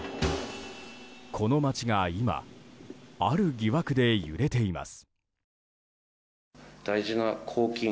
この町が今ある疑惑で揺れています。